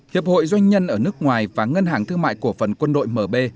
hiệp hội doanh nhân ở nước ngoài và ngân hàng thương mại cổ phần quân đội mb